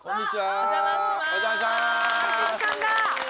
お邪魔します。